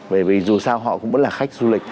bởi vì dù sao họ cũng vẫn là khách du lịch